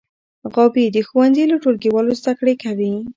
غابي د ښوونځي له ټولګیوالو زده کړې کوي.